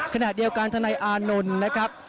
ขณะเดียวกันทนายอานนท์นะครับ